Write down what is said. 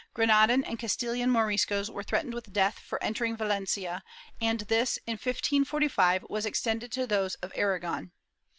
Granadan and Cas tilian Moriscos were threatened with death for entering Valencia and this, in 1545, was extended to those of Aragon.